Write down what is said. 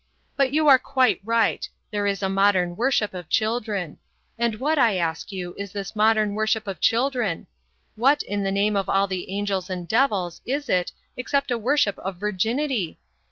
But you are quite right; there is a modern worship of children. And what, I ask you, is this modern worship of children? What, in the name of all the angels and devils, is it except a worship of virginity?